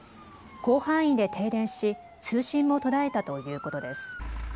広範囲で停電し通信も途絶えたということです。